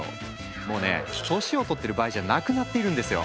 もうね年をとってる場合じゃなくなっているんですよ。